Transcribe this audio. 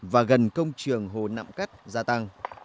và gần công trường hồ nạm cát gia tăng